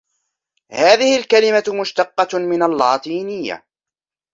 هذه الكلمة مشتقة من اللاتينية.